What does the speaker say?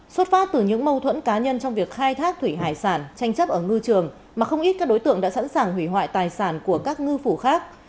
xuất phát từ những mâu thuẫn cá nhân trong việc khai thác thủy hải sản tranh chấp ở ngư trường mà không ít các đối tượng đã sẵn sàng hủy hoại tài sản của các ngư phủ khác